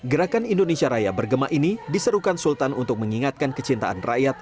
gerakan indonesia raya bergema ini diserukan sultan untuk mengingatkan kecintaan rakyat